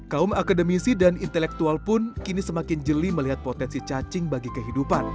kaum akademisi dan intelektual pun kini semakin jeli melihat potensi cacing bagi kehidupan